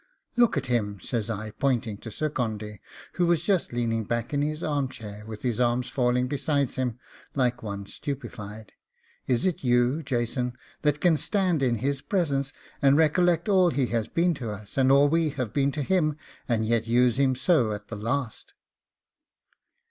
'Look at him,' says I, pointing to Sir Condy, who was just leaning back in his arm chair, with his arms falling beside him like one stupefied; 'is it you, Jason, that can stand in his presence, and recollect all he has been to us, and all we have been to him, and yet use him so at the last?